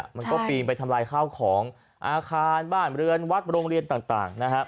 มันก็ปีนไปทำลายข้าวของอาคารบ้านเรือนวัดโรงเรียนต่างนะฮะ